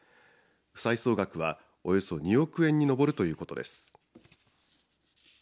負債総額はおよそ２億円に上るということです。